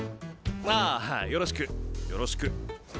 ああよろしくよろしく。